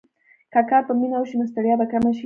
که کار په مینه وشي، نو ستړیا به کمه شي.